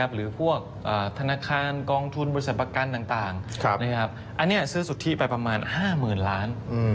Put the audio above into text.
หรือพวกธนาคารกองทุนบริษัทประกันต่างอันนี้ซื้อสุทธิไปประมาณ๕๐๐๐ล้าน